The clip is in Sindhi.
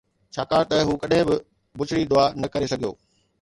ڇاڪاڻ ته هو ڪڏهن به بڇڙي دعا نه ڪري سگهيو